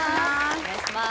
お願いします